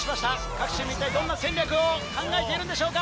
各チーム一体どんな戦略を考えているんでしょうか？